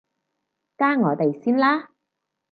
加我哋先啦